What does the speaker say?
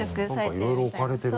なんかいろいろ置かれてるね。